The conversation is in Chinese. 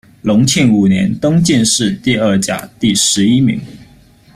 隆庆五年，登进士第二甲第十一名。